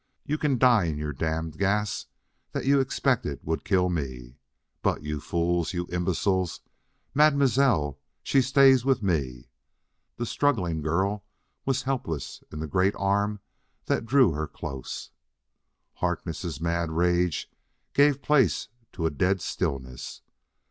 You can die in your damned gas that you expected would kill me! But, you fools, you imbeciles Mam'selle, she stays with me!" The struggling girl was helpless in the great arm that drew her close. Harkness' mad rage gave place to a dead stillness.